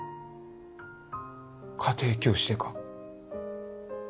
家庭教師でか？